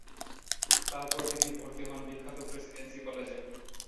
তারপর তিনি ভর্তি হন বিখ্যাত প্রেসিডেন্সি কলেজে।